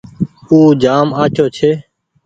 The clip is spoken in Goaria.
او جآم آڇو ڇي۔